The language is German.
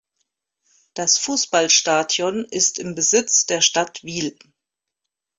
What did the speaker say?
Das Fussballstadion ist im Besitz der Stadt Wil.